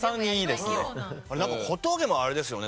なんか小峠もあれですよね